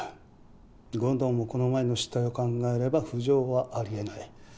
権藤もこの前の失態を考えれば浮上はあり得ない。